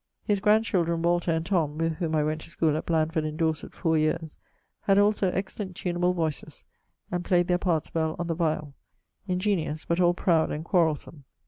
His grand children, Walter and Tom (with whom I went to schoole at Blandford in Dorset 4 yeares) had also excellent tuneable voices, and playd their parts well on the violl; ingeniose, but all proud and quarrelsome.